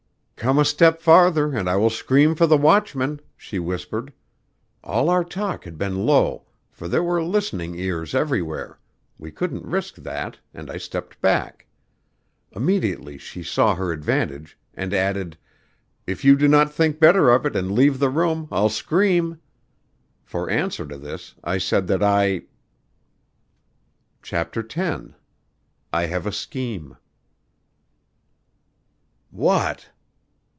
'Come a step farther and I will scream for the watchman,' she whispered. All our talk had been low, for there were listening ears everywhere we couldn't risk that, and I stepped back. Immediately she saw her advantage, and added, 'If you do not think better of it and leave the room, I'll scream.' For answer to this I said that I " CHAPTER X "I have a scheme" "What?"